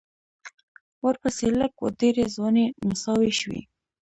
ورپسې لږ و ډېرې ځوانې نڅاوې شوې.